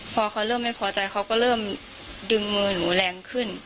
พอเขาเริ่มไม่พอใจเขาก็เริ่มดึงมือหนูแรงขึ้น